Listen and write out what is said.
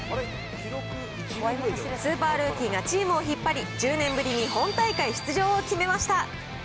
スーパールーキーがチームを引っ張り、１０年ぶりに本大会出場を決めました。